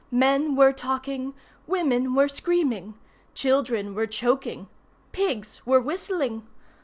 Men were talking. Women were screaming. Children were choking. Pigs were whistling.